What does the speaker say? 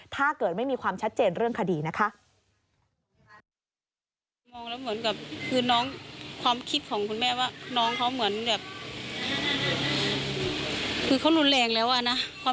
ถ้าเกิดไม่มีความชัดเจนเรื่องคดีนะคะ